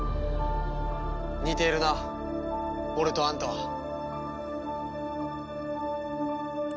似ているな俺とあんたは。